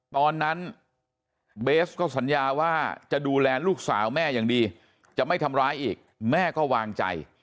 ตอนนั้นเบสก็สัญญาว่าจะดูแลลูกสาวแม่อย่างดีจะไม่ทำร้ายอีกแม่ก็วางใจ